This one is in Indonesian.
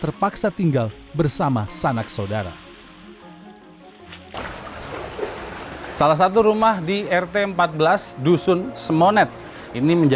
tempat tinggal bukan satu satunya yang hilang